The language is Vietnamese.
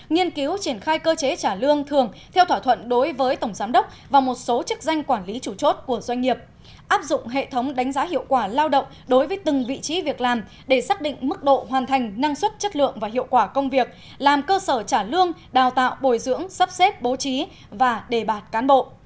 nghiên cứu triển khai cơ chế trả lương thường theo thỏa thuận đối với tổng giám đốc và một số chức danh quản lý chủ chốt của doanh nghiệp áp dụng hệ thống đánh giá hiệu quả lao động đối với từng vị trí việc làm để xác định mức độ hoàn thành năng suất chất lượng và hiệu quả công việc làm cơ sở trả lương đào tạo bồi dưỡng sắp xếp bố trí và đề bạt cán bộ